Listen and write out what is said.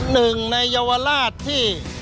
หนึ่งในเยาวราชที่